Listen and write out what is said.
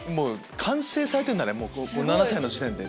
完成されてるんだ７歳の時点で。